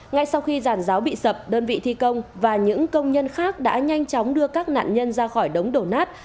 ngay sau khi giàn giáo bị sập đơn vị thi công và những công nhân khác đã nhanh chóng đưa các nạn nhân ra khỏi đống đổ nát